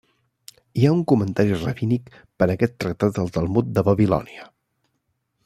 Hi ha un comentari rabínic per aquest tractat al Talmud de Babilònia.